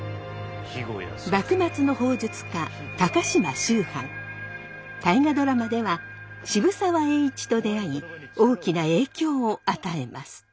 幕末の砲術家「大河ドラマ」では渋沢栄一と出会い大きな影響を与えます。